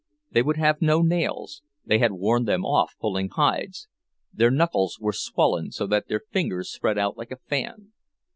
They would have no nails,—they had worn them off pulling hides; their knuckles were swollen so that their fingers spread out like a fan.